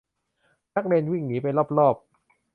นักเรียนวิ่งหนีไปรอบรอบ